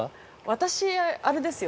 ◆私、あれですよ。